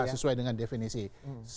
sesuai dengan definisi tadi ya